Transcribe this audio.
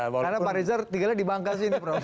karena pak riza tinggalnya di bangka sini prof